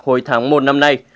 hồi tháng một năm nay